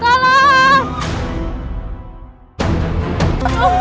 hal sebesar itu